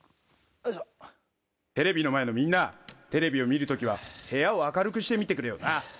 「テレビの前のみんなテレビを見る時は部屋を明るくして見てくれよな」